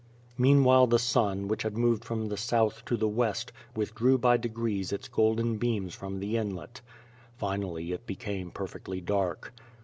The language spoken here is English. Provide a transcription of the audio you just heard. Meanwhile the sun, which had moved from the south to the west, withdrew by degrees its golden beams from the inlet. Finally it became perfectly dark.